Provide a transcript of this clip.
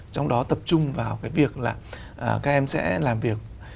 trong đó tập trung vào cái việc là các em sẽ làm việc